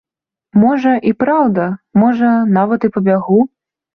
Можа, і праўда, можа, нават і пабягу.